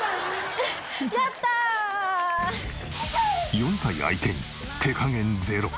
４歳相手に手加減ゼロ。